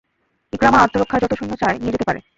ইকরামা আত্মরক্ষার যত সৈন্য চায় নিয়ে যেতে পারে।